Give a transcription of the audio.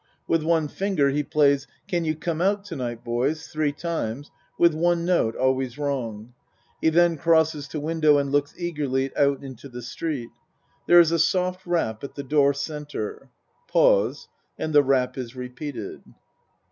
With one finger he plays "Can you come out to night boys" three times, with one note always wrong. He then crosses to win dow and looks eagerly out into the street. There u a soft rap at the door C. Pause and the rap is repeated.